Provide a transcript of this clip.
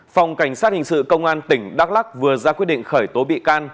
phòng cảnh sát hình sự công an tỉnh đắk lắc vừa ra quyết định khởi tố bị can